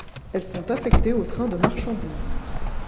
Elles sont affectées aux trains de marchandises.